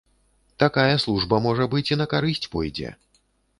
Такая служба, можа быць, і на карысць пойдзе.